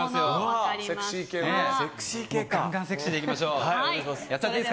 ガンガンセクシーでいきましょう。